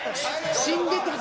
死んでたぜ。